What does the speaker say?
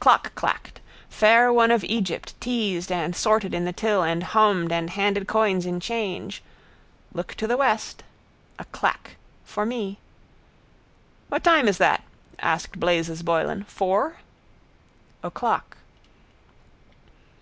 Clock clacked. Fair one of Egypt teased and sorted in the till and hummed and handed coins in change. Look to the west. A clack. For me. —What time is that? asked Blazes Boylan. Four? O'clock.